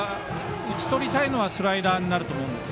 打ち取りたいのはスライダーになると思うんです。